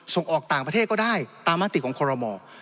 ส่งออกต่างประเทศก็ได้ตามมาติของคอรมอ